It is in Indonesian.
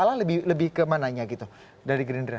kalau menurut saya dari memang ini kelihatan tidak dalam perhitungan